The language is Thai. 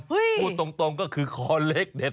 พูดตรงก็คือคอเล็กเด็ด